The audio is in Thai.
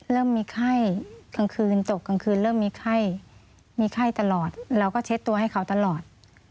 เริ่มมีไข้กลางคืนตกกลางคืนเริ่มมีไข้มีไข้ตลอดเราก็เช็ดตัวให้เขาตลอด